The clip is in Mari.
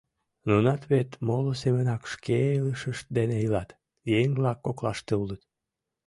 Нунат вет моло семынак шке илышышт дене илат, еҥ-влак коклаште улыт...